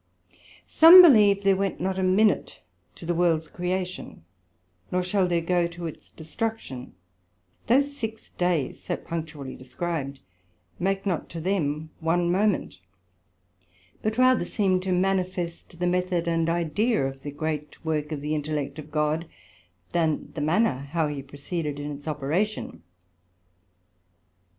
Some believe there went not a minute to the Worlds creation, nor shall there go to its destruction; those six days, so punctually described, make not to them one moment, but rather seem to manifest the method and Idea of the great work of the intellect of God, than the manner how he proceeded in its operation.